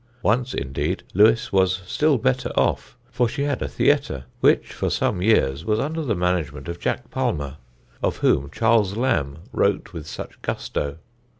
Once, indeed, Lewes was still better off, for she had a theatre, which for some years was under the management of Jack Palmer, of whom Charles Lamb wrote with such gusto.